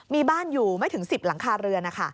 มีบ้านอยู่ไม่ถึง๑๐หลังคาเรือนนะคะ